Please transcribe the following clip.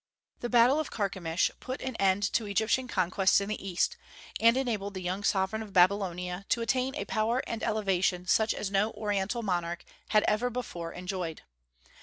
The battle of Carchemish put an end to Egyptian conquests in the East, and enabled the young sovereign of Babylonia to attain a power and elevation such as no Oriental monarch had ever before enjoyed.